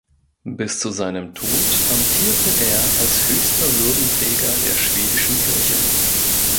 Bis zu seinem Tod amtierte er als höchster Würdenträger der Schwedischen Kirche.